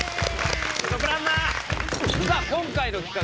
さあ今回の企画